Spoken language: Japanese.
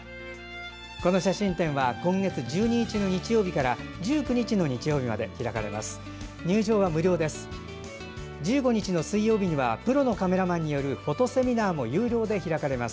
この写真展は今月１２日日曜日から１９日日曜日まで開かれます。